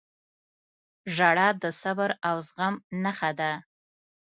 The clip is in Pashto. • ژړا د صبر او زغم نښه ده.